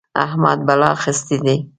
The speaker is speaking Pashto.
احمد بلا اخيستی دی.